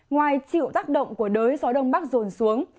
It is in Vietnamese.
ngoài chịu tác động của đới gió đông bắc rồn xuống